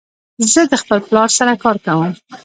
زه د خپل پلار سره کار کوم.